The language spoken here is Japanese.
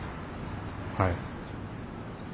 はい。